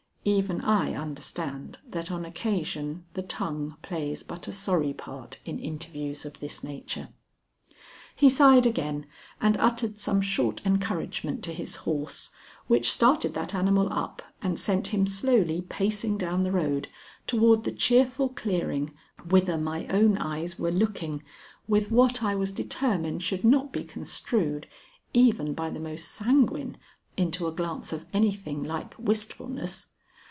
Even I understand that on occasion the tongue plays but a sorry part in interviews of this nature. He sighed again and uttered some short encouragement to his horse, which started that animal up and sent him slowly pacing down the road toward the cheerful clearing whither my own eyes were looking with what I was determined should not be construed even by the most sanguine into a glance of anything like wistfulness.